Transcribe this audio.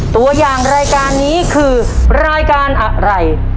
ตัวอย่างรายการนี้คือรายการอะไร